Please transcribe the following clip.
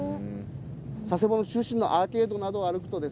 佐世保の中心のアーケードなどを歩くとですね